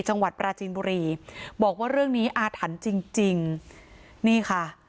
จังหวัดปราจีนบุรีบอกว่าเรื่องนี้อาถรรพ์จริงจริงนี่ค่ะ